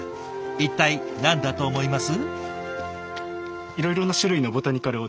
一体何だと思います？